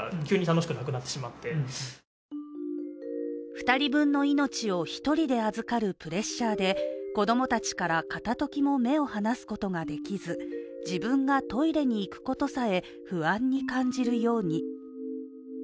２人分の命を１人で預かるプレッシャーで子供たちから片ときも目を離すことができず自分がトイレに行くことさえ不安に感じるように。